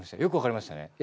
よくわかりましたね。